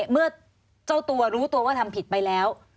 เมื่อเจ้าตัวรู้ตัวว่าทำผิดไปแล้ว